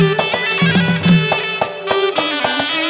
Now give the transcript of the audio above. วู้วู้วู้